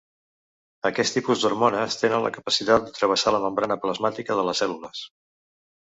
Aquest tipus d'hormones tenen la capacitat de travessar la membrana plasmàtica de les cèl·lules.